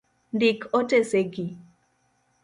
Ndik otese gi.